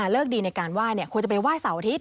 เลิกดีในการว่ายควรจะไปว่ายเสาร์อาทิตย์